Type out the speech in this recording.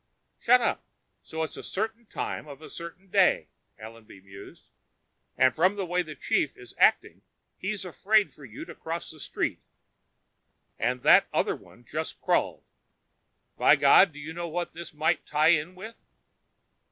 "Shut up. So it's a certain time of a certain day," Allenby mused. "And from the way the chief is acting, he's afraid for you to cross the street. And that other one just crawled. By God, do you know what this might tie in with?"